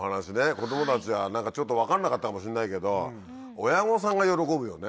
子供たちは何かちょっと分かんなかったかもしんないけど親御さんが喜ぶよね。